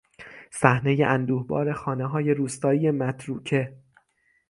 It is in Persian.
صحنهی اندوهبار خانههای روستایی متروکه